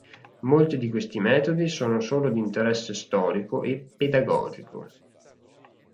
Molti di questi metodi sono solo di interesse storico e pedagogico.